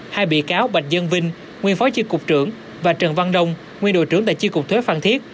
hai bị cáo bạch dương vinh nguyên phó chiên cục trưởng và trần văn đông nguyên đội trưởng tại chi cục thuế phan thiết